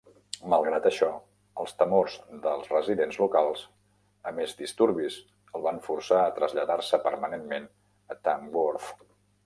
Malgrat això, els temors dels residents locals a més disturbis el van forçar a traslladar-se permanentment a Tamworth.